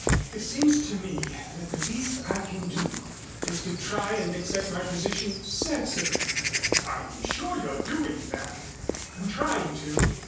"It seems to me that the least I can do is to try and accept my position sensibly " "I'm sure you're doing that " "I'm trying to.